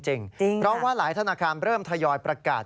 เพราะว่าหลายธนาคารเริ่มทยอยประกาศ